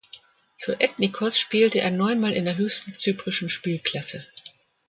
Für Ethnikos spielte er neunmal in der höchsten zyprischen Spielklasse.